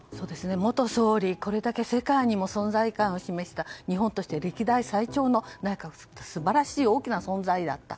元総理、これだけ世界にも存在感を示した日本として歴代最長の内閣で素晴らしい大きな存在だった。